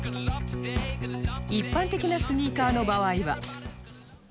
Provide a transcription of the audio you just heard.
一般的なスニーカーの場合は